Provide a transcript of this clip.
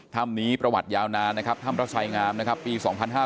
ถ้ำนี้ประวัติยาวนานนะครับถ้ำพระสายงามนะครับปี๒๕๕๙